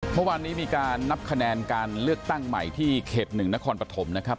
เมื่อวานนี้มีการนับคะแนนการเลือกตั้งใหม่ที่เขต๑นครปฐมนะครับ